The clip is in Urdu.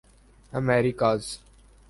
امیریکاز